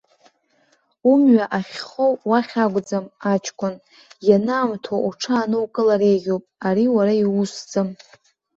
Умҩа ахьхоу уахь акәӡам, аҷкәын, ианаамҭоу уҽаанукылар еиӷьуп, ари уара иуусӡам.